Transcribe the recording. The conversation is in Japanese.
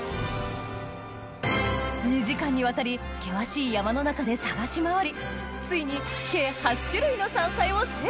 ２時間にわたり険しい山の中で探し回り